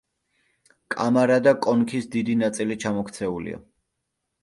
კამარა და კონქის დიდი ნაწილი ჩამოქცეულია.